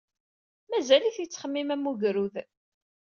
Mazal-it yettxemmim am ugrud.